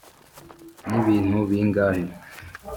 nibintu bingahe,